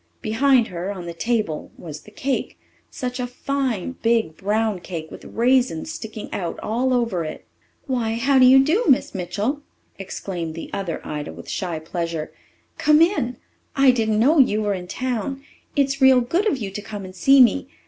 Behind her, on the table, was the cake such a fine, big, brown cake, with raisins sticking out all over it! "Why, how do you do, Miss Mitchell!" exclaimed the other Ida with shy pleasure. "Come in. I didn't know you were in town. It's real good of you to come and see me.